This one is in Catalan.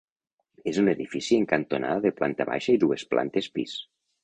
És un edifici en cantonada de planta baixa i dues plantes pis.